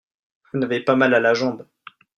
vous n'avez pas mal à la jambe.